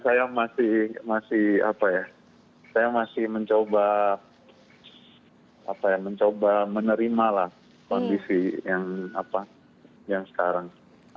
karena saya masih mencoba menerima lah kondisi yang sekarang